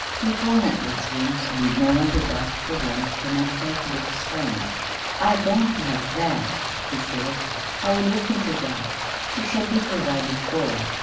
People not residents and with no one to vouch for them cannot take books home." "I don't like that," he said. "I will look into that. You shall be provided for.